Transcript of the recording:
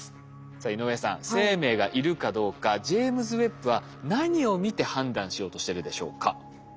さあ井上さん生命がいるかどうかジェイムズ・ウェッブは何を見て判断しようとしてるでしょうか？